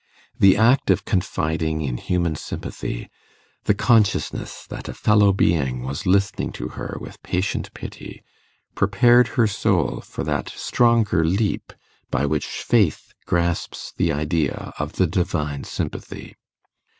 The act of confiding in human sympathy, the consciousness that a fellow being was listening to her with patient pity, prepared her soul for that stronger leap by which faith grasps the idea of the Divine sympathy.